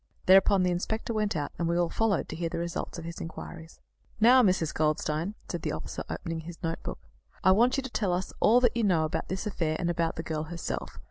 Thereupon the inspector went out, and we all followed to hear the result of his inquiries. "Now, Mrs. Goldstein," said the officer, opening his notebook, "I want you to tell us all that you know about this affair, and about the girl herself.